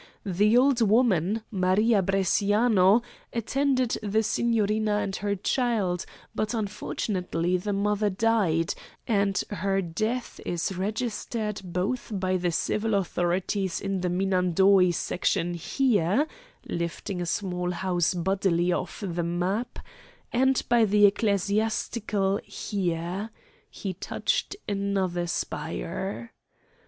The old woman, Maria Bresciano, attended the signorina and her child, but unfortunately the mother died, and her death is registered both by the civil authorities in the Minadoi section here" (lifting a small house bodily off the map), "and by the ecclesiastical here" (he touched another spire).